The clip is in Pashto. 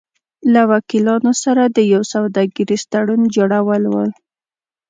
-له وکیلانو سره د یو سوداګریز تړون جوړو ل